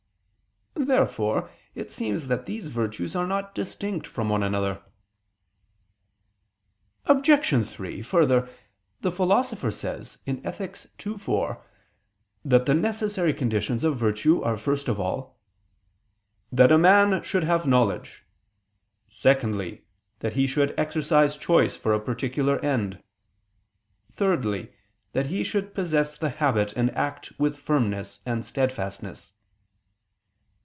Therefore it seems that these virtues are not distinct from one another. Obj. 3: Further, the Philosopher says (Ethic. ii, 4) that the necessary conditions of virtue are first of all "that a man should have knowledge; secondly, that he should exercise choice for a particular end; thirdly, that he should possess the habit and act with firmness and steadfastness."